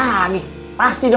aku ganti baju dulu ya